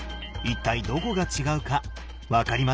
一体どこが違うか分かりますか？